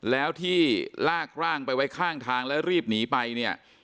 แล้วที่ลากร่างไปไว้ข้างทางแล้วรีบหนีไปเนี่ย